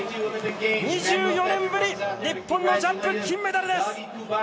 ２４年ぶり、日本のジャンプ金メダルです。